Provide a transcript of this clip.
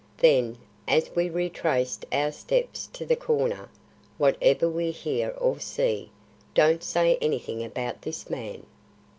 Then, as we retraced our steps to the corner "Whatever we hear or see, don't say anything about this man.